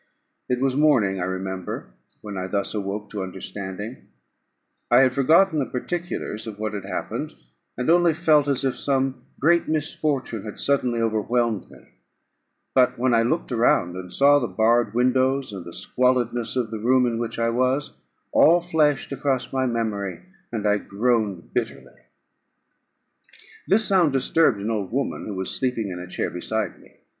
It was morning, I remember, when I thus awoke to understanding: I had forgotten the particulars of what had happened, and only felt as if some great misfortune had suddenly overwhelmed me; but when I looked around, and saw the barred windows, and the squalidness of the room in which I was, all flashed across my memory, and I groaned bitterly. This sound disturbed an old woman who was sleeping in a chair beside me.